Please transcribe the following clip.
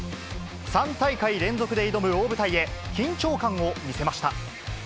３大会連続で挑む大舞台へ、緊張感を見せました。